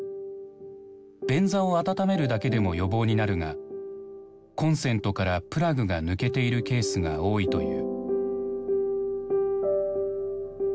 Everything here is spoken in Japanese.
便座を温めるだけでも予防になるがコンセントからプラグが抜けているケースが多いという。